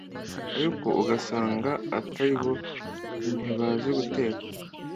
ariko ugasanga atari bo Ntibazi guteka